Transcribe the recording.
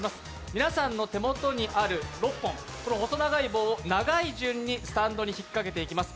皆さんの手元にある６本この細長い棒を長い順にスタンドに引っかけていきます。